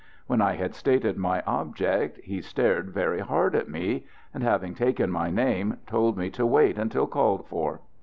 When I had stated my object he stared very hard at me, and, having taken my name, told me to wait until called for.